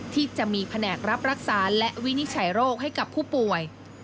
ที่จะมีแผนกรับรักษาและวินิจฉัยโรคให้กับผู้ป่วย